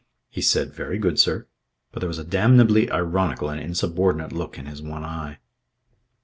He said: "Very good, sir." But there was a damnably ironical and insubordinate look in his one eye.